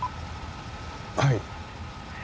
はい。